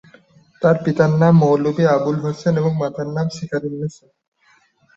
তার পিতার নাম মৌলভী আবুল হোসেন এবং মাতার নাম সিকারুননেসা।